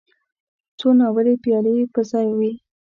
څو ناولې پيالې په ځای وې.